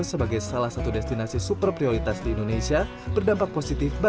sebagai salah satu destinasi super prioritas di indonesia berdampak positif bagi